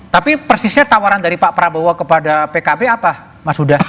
tapi persisnya tawaran dari pak prabowo kepada pkb apa mas huda